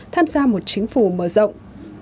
tham gia một chính phủ mở rộng